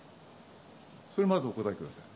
そこをまずお答えください。